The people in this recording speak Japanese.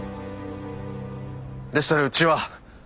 でしたらうちは。